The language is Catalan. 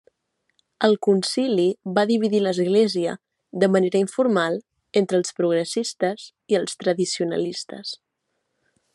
El concili va dividir l'església de manera informal entre els progressistes i els tradicionalistes.